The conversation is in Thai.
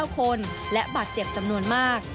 ๙คนและบาดเจ็บจำนวนมาก